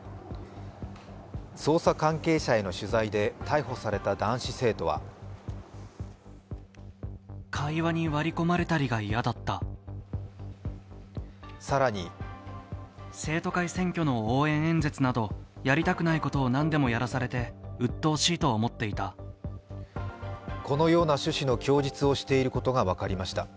捜査関係者への取材で逮捕された男子生徒は更にこのような趣旨の供述をしていることが分かりました。